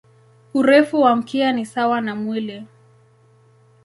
Urefu wa mkia ni sawa na mwili.